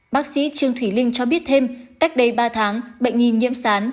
bác sĩ trương thủy linh cho biết thêm cách đây ba tháng bệnh nhi nhiễm sán